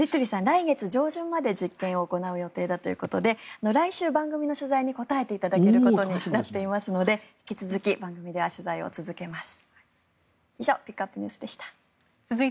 来月上旬まで実験を行う予定だということで来週番組の取材に答えていただけることになっていますので引き続き番組では取材を続けます。